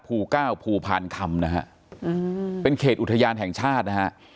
ภูเก้าภูพานคำนะฮะอืมเป็นเขตอุทยานแห่งชาตินะฮะ